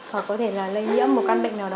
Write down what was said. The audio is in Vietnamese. hoặc có thể là lây nhiễm một căn bệnh nào đó